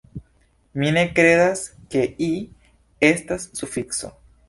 Mi ne kredas, ke -i- estas sufikso.